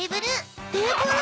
テーブル。